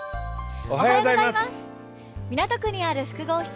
港区にある複合施設